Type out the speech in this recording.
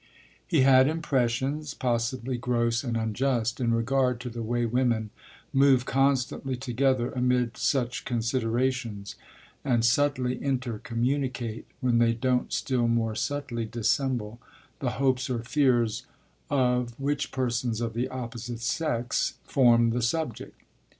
He had impressions, possibly gross and unjust, in regard to the way women move constantly together amid such considerations and subtly intercommunicate, when they don't still more subtly dissemble, the hopes or fears of which persons of the opposite sex form the subject.